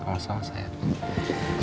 gak masalah sayang